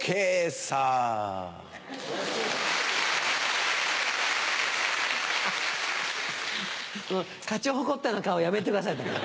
その勝ち誇ったような顔やめてください。